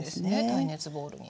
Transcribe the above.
耐熱ボウルに。